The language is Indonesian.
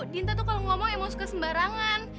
dinta tuh kalau ngomong emang suka sembarangan